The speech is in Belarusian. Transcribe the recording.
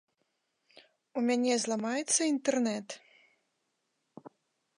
У мяне зламаецца інтэрнэт?